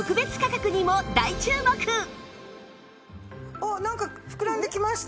ああなんか膨らんできました。